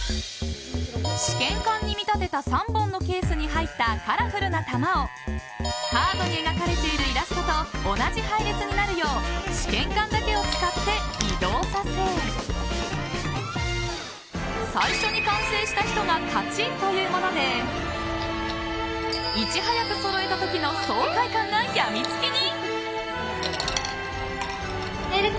試験管に見立てた３本のケースに入ったカラフルな球をカードに描かれているイラストと同じ配列になるよう試験管だけを使って移動させ最初に完成した人が勝ちというものでいち早くそろえた時の爽快感がやみつきに。